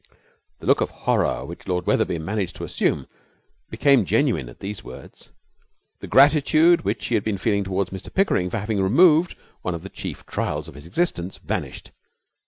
The look of horror which Lord Wetherby had managed to assume became genuine at these words. The gratitude which he had been feeling towards Mr Pickering for having removed one of the chief trials of his existence vanished.